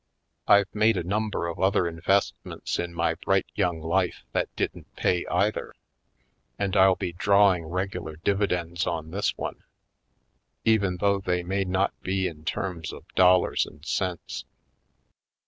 I've made a number of other investments in my bright young life that didn't pay either, and I'll be drawing regular dividends on this one, even though they may not be in terms of dollars and cents.